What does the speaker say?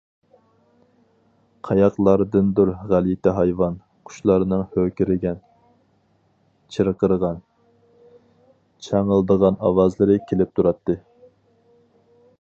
قاياقلاردىندۇر غەلىتە ھايۋان، قۇشلارنىڭ ھۆركىرىگەن، چىرقىرىغان، چاڭىلدىغان ئاۋازلىرى كېلىپ تۇراتتى.